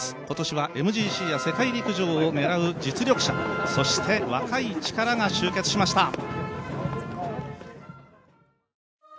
今年はＭＧＣや世界陸上を狙う実力者そして若い力が集結しました。